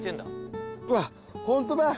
うわっ本当だ！